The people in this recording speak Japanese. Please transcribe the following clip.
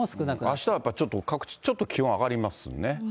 あしたはちょっと各地ちょっと気温上がりますね。